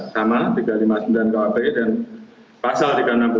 sama tiga ratus lima puluh sembilan kuhp dan pasal tiga ratus enam puluh